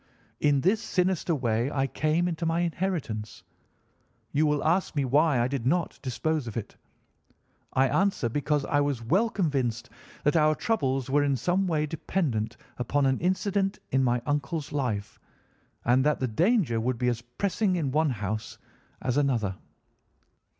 "In this sinister way I came into my inheritance. You will ask me why I did not dispose of it? I answer, because I was well convinced that our troubles were in some way dependent upon an incident in my uncle's life, and that the danger would be as pressing in one house as in another.